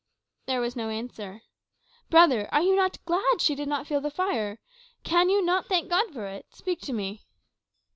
There was no answer. "Brother, are you not glad she did not feel the fire? Can you not thank God for it? Speak to me."